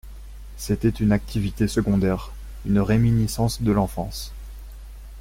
c’était une activité secondaire, une réminiscence de l’enfance.